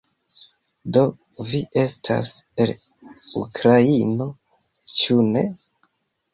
Do, vi estas el Ukraino ĉu ne?